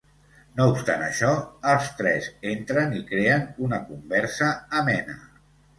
No obstant això, els tres entren i creen una conversa amena.